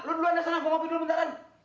lo dulu anda sana gue mau tidur bentaran